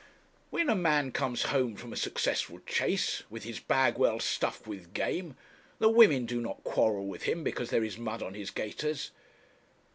'When a man comes home from a successful chase, with his bag well stuffed with game, the women do not quarrel with him because there is mud on his gaiters.'